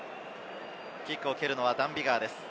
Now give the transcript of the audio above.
キックを蹴るのはダン・ビガーです。